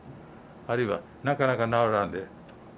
あるいはなかなか治らんで。